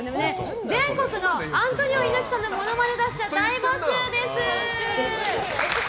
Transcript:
全国のアントニオ猪木さんのものまね達者、大募集です！